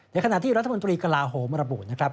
ขณะที่รัฐมนตรีกระลาโหมระบุนะครับ